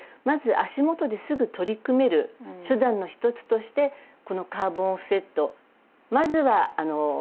足元ですぐ取り組める手段の一つとしてこのカーボンオフセットまずは削減します。